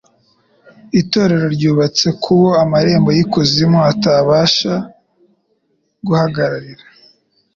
Itorero ryubatse k'Uwo amarembo y'ikuzimu atabasha guharigara.